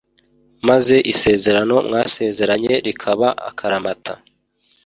Maze isezerano mwasezeranye rikaba akaramata